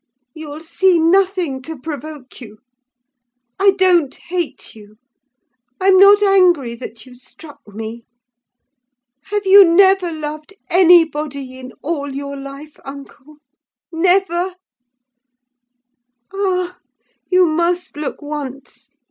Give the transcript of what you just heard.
you'll see nothing to provoke you. I don't hate you. I'm not angry that you struck me. Have you never loved anybody in all your life, uncle? never? Ah! you must look once.